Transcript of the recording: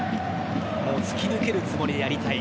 突き抜けるつもりでやりたい。